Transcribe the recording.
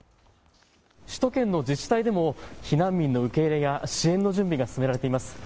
首都圏の自治体でも避難民の受け入れや支援の準備が進められています。